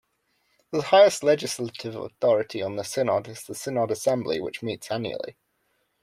The highest legislative authority of the synod is the Synod Assembly, which meets annually.